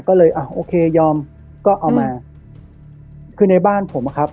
ก็เลยอ่ะโอเคยอมก็เอามาคือในบ้านผมอะครับ